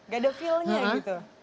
gak ada feelnya gitu